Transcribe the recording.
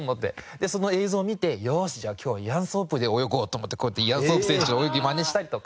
でその映像を見て「よし！じゃあ今日はイアン・ソープで泳ごう」と思ってこうやってイアン・ソープ選手の泳ぎマネしたりとか。